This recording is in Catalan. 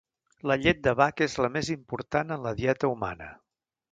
La llet de vaca és la més important en la dieta humana.